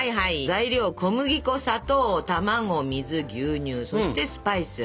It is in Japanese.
材料小麦粉砂糖卵水牛乳そしてスパイス。